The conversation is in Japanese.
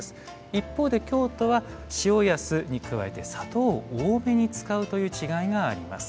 一方で京都は塩や酢に加えて砂糖を多めに使うという違いがあります。